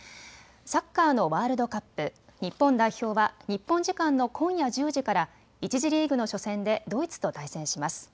サッカーのワールドカップ日本代表は日本時間の今夜１０時から１次リーグの初戦でドイツと対戦します。